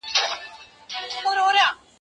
زه به سبا د ښوونځی لپاره امادګي ونيسم.